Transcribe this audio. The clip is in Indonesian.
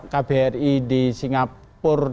kbri di singapura